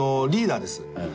リーダーです